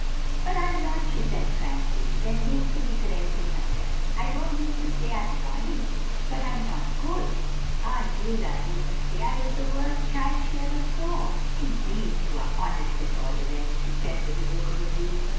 "But I'm not," she said frankly. Then hastily correcting herself, "I don't mean to say I'm bonny, but I'm not good. Aunt Beulah used to say I was the worst child she ever saw." "Indeed! you are honest, at all events," he said, with a look of amusement.